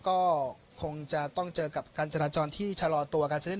ก็คงจะต้องเจอกับการจรรย์ที่ชะลอตัวกันเสร็จหนึ่ง